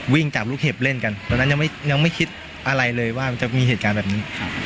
วิ่งจับลูกเห็บเล่นกันตอนนั้นยังไม่คิดอะไรเลยว่ามันจะมีเหตุการณ์แบบนี้